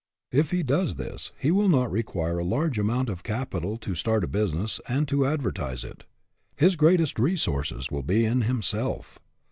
If he does this, he will not require a large amount of capital to start a business, and to advertise it. His greatest resources will be in himself.